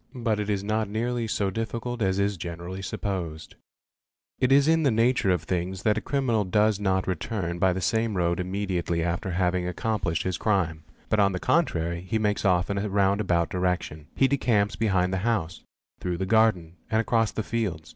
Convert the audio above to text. But it is not nearly so difficult as is gen rally supposed. 4 It is in the nature of things that a criminal does not return by th | OBSERVATION OF FOOTPRINTS 493 same road immediately after having accomplished his crime, but on the contrary he makes off in a round about direction: he decamps behind the house, through the garden, and across the fields.